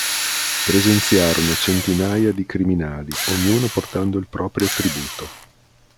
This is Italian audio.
Presenziarono centinaia di criminali, ognuno portando il proprio tributo.